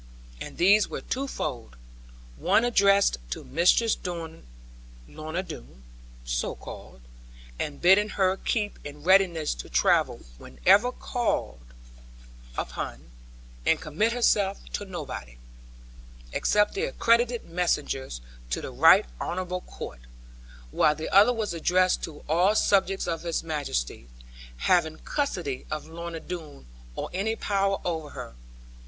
And these were twofold; one addressed to Mistress Lorna Doone, so called, and bidding her keep in readiness to travel whenever called upon, and commit herself to nobody, except the accredited messengers of the right honourable Court; while the other was addressed to all subjects of His Majesty, having custody of Lorna Doone, or any power over her.